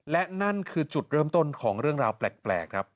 และนั่นคือจุดเริ่มต้นของเรื่องราวแปลกครับ